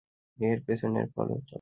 এর পেছনেরটা follow chopper.